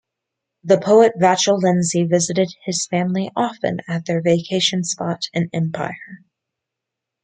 The poet Vachel Lindsay visited his family often at their vacation spot in Empire.